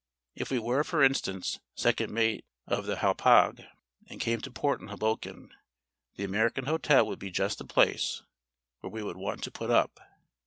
If we were, for instance, second mate of the Hauppauge, and came to port in Hoboken, The American Hotel would be just the place where we would want to put up.